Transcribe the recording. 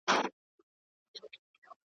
کلونه کېږي له زندانه اواز نه راوزي